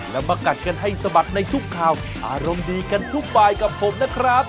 แล้วมากัดกันให้สะบัดในทุกข่าวอารมณ์ดีกันทุกบายกับผมนะครับ